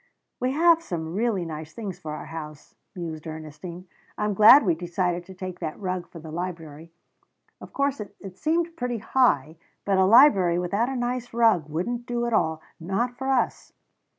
"We have some really nice things for our house," mused Ernestine. "I'm glad we decided to take that rug for the library. Of course it seemed pretty high, but a library without a nice rug wouldn't do at all not for us."